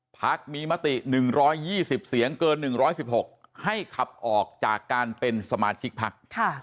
พักมีมติ๑๒๐เสียงเกิน๑๑๖ให้ขับออกจากการเป็นสมาชิกพัก